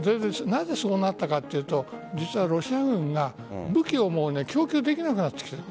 なぜそうなったかというと実はロシア軍が武器を供給できなくなってきている。